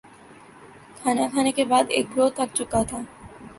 کھانا کھانے کے بعد ایک گروہ تھک چکا تھا